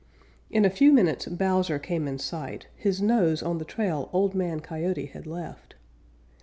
In a few minutes Bowser came in sight, his nose in the trail Old Man Coyote had left.